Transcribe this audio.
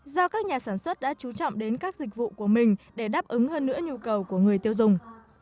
do các nhà sản xuất đã trú trọng đến các dịch vụ của mình để đáp ứng hơn nữa nhu cầu của người tiêu dùng